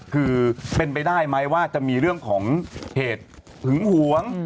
คือเป็นไปได้ไหมว่าจะมีเรื่องของเหตุหึงหวง